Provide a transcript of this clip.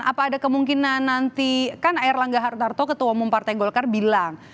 apa ada kemungkinan nanti kan air langga hartarto ketua umum partai golkar bilang